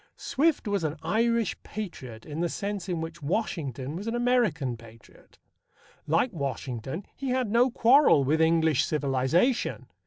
Swift was an Irish patriot in the sense in which Washington was an American patriot. Like Washington, he had no quarrel with English civilization.